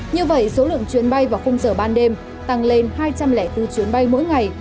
như vậy số lượng chuyến bay vào khung giờ ban đêm tăng lên hai trăm linh bốn chuyến bay mỗi ngày